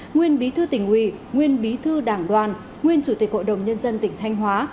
nguyên bí thư tỉnh ủy nguyên bí thư đảng đoàn nguyên chủ tịch hội đồng nhân dân tỉnh thanh hóa